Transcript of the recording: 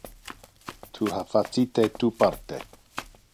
Tu ha facite tu parte.